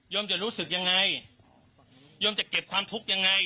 จะรู้สึกยังไงโยมจะเก็บความทุกข์ยังไง